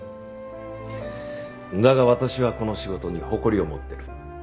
だが私はこの仕事に誇りを持ってる。